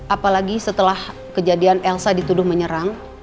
apalagi setelah kejadian elsa dituduh menyerang